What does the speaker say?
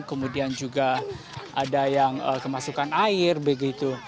kemudian juga ada yang kemasukan air begitu